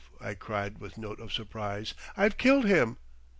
I cried with note of surprise, "I've killed him!"